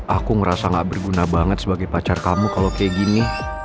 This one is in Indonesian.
aku ngerasa gak berguna banget sebagai pacar kamu kalau kayak gini